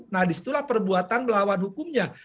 nah disitulah perbuatan melawan hukumnya